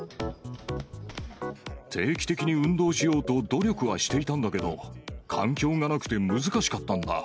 定期的に運動しようと努力はしていたんだけど、環境がなくて難しかったんだ。